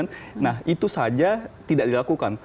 nah itu saja tidak dilakukan